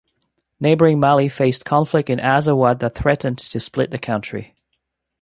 Neighbouring Mali faced conflict in Azawad that threatened to split the country.